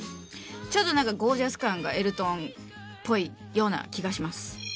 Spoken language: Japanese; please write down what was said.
ちょっとなんかゴージャス感がエルトンっぽいような気がします。